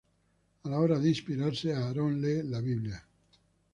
A la hora de inspirarse, Aaron lee la Biblia.